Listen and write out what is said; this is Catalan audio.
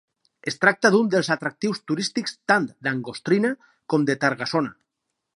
Es tracta d'un dels atractius turístics tant d'Angostrina com de Targasona.